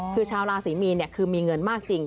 คือชาวราศรีมีนคือมีเงินมากจริง